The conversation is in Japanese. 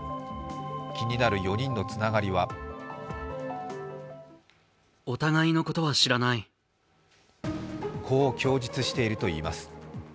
気になる４人のつながりはこう供述しているといいます。